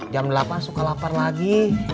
jam delapan suka lapar lagi